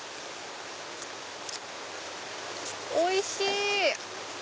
おいしい！